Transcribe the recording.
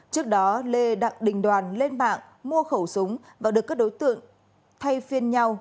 trước đó lê đặng đình đoàn lên mạng mua khẩu súng và được các đối tượng thay phiên nhau